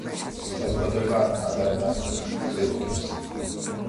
საზოგადოება ატარებდა ყრილობებს.